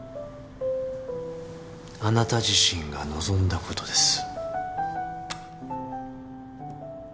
あなた自身が望んだことです。